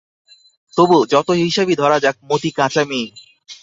তবু, যত হিসাবই ধরা যাক মতি কাঁচা মেয়েই।